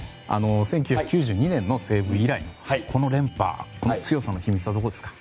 １９９２年の西武以来のこの連覇、強さの秘密はどこですか？